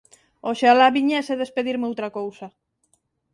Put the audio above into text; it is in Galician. Oxalá viñésedes pedirme outra cousa.